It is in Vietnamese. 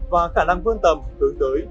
và khả năng vương tầm hướng tới